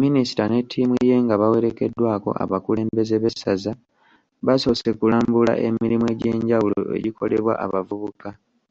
Minisita ne ttiimu ye nga bawerekeddwako abakulembeze b'essaza, basoose kulambula emirimu egy'enjawulo egikolebwa abavubuka.